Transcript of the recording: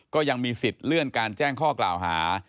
ก็ยังมีสิทธิ์เลื่อนการแจ้งข้อกล่าวหา